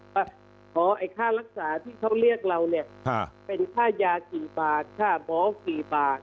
ว่าขอไอ้ค่ารักษาที่เขาเรียกเราเนี่ยเป็นค่ายากี่บาทค่าหมอกี่บาท